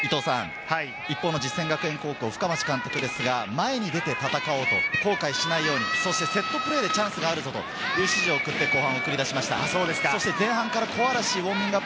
一方の実践学園高校・深町監督ですが、前に出て戦おう、後悔しないように、そしてセットプレーでチャンスがあるぞと話をして送り出してきました。